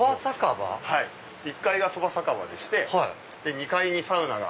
１階がそば酒場でして２階にサウナが。